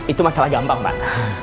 itu masalah gampang pak